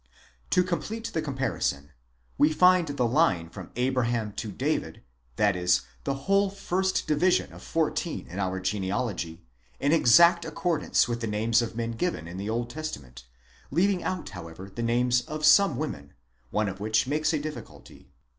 To complete the comparison: we find the line from Abraham to David, that is, the whole first division of fourteen in our genealogy, in exact accor dance with the names of men given in the Old Testament: leaving out however the names of some women, one of which makes a difficulty.